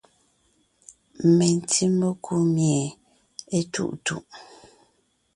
Mentí mekú mie étuʼtuʼ.